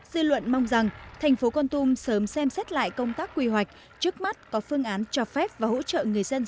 dư luận mong rằng thành phố con tum sớm xem xét lại công tác quy hoạch trước mắt có phương án cho phép và hỗ trợ người dân